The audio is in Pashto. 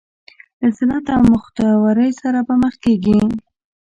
له ذلت او مختورۍ سره به مخ کېږي.